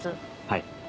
はい。